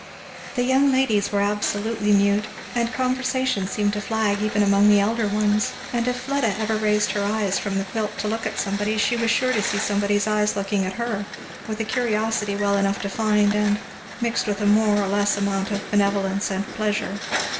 The young ladies were absolutely mute, and conversation seemed to flag even among the elder ones; and if Fleda ever raised her eyes from the quilt to look at somebody she was sure to see somebody's eyes looking at her, with a curiosity well enough defined and mixed with a more or less amount of benevolence and pleasure.